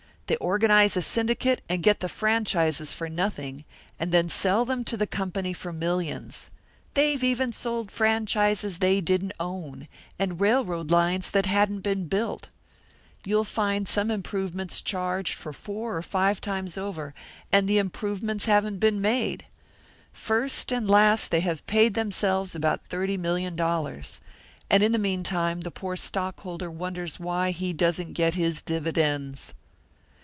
They organise a syndicate, and get the franchises for nothing, and then sell them to the company for millions. They've even sold franchises they didn't own, and railroad lines that hadn't been built. You'll find some improvements charged for four or five times over, and the improvements haven't yet been made. First and last they have paid themselves about thirty million dollars. And, in the meantime, the poor stockholder wonders why he doesn't get his dividends!"